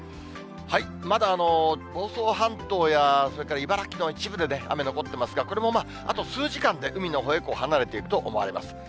まだ房総半島や、それから茨城の一部でね、雨残ってますが、これもあと数時間で海のほうへ離れていくと思われます。